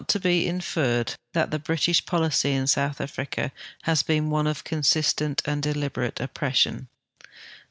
358 THE WITWATERSRAND AND British policy in South Africa has been one of consistent and deliberate oppression.